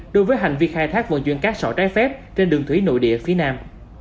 đối với hành vi khai thác vận chuyển các sọ trái phép trên đường thủy nội địa phía nam